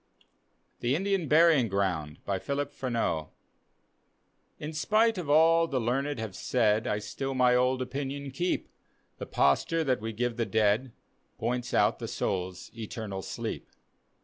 THE INDIAN BURYING GROUND : phiuf PRBHBAU In spite of all the learned have said, I still my old opinion keep; The posture that we give the dead Points out the soul's eternal sleep.